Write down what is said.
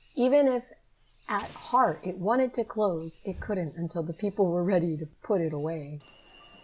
Even if at heart it wanted to close, it couldn't until the people were ready to put it away.